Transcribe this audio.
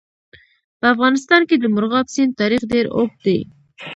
په افغانستان کې د مورغاب سیند تاریخ ډېر اوږد دی.